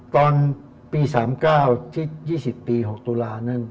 ตอนปี๓๙ที่๒๐ปี๖ตุลานั่น